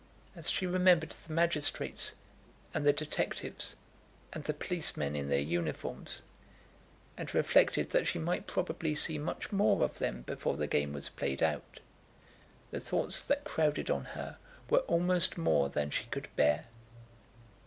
As she remembered the magistrates, and the detectives, and the policemen in their uniforms, and reflected that she might probably see much more of them before the game was played out, the thoughts that crowded on her were almost more than she could bear.